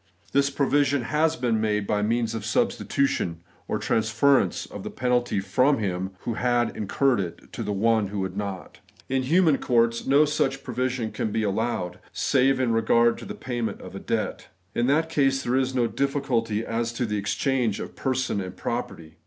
This provision has been made by means of s?/6 stitution, or transference of the penalty from hirg who had incurred it to One who had not. In human courts, no such provision can be allowed, save in regard to the payment of debt. In that case there is no difficulty as to the ex change of person and of property.